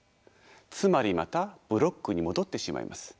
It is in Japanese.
つまりまたブロックに戻ってしまいます。